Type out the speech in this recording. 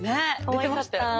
出てましたよね。